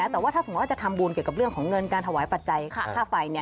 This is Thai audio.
แต่ว่าถ้าสมมุติว่าจะทำบุญเกี่ยวกับเรื่องของเงินการถวายปัจจัยค่าไฟ